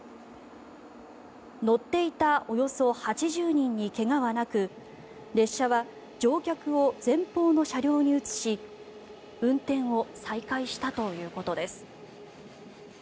乗っていたおよそ８０人に怪我はなく列車は乗客を前方の車両に移し運転を再開したということです。